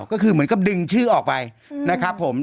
ก็คือเหมือนกับดึงชื่อออกไปนะครับผม